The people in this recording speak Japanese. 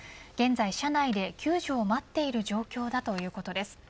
現在、車内で救助を待っている状況だということです。